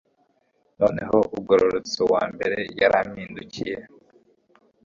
Noneho ugororotse uwambere yarampindukiye